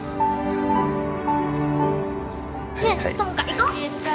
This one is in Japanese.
ねえ友果いこう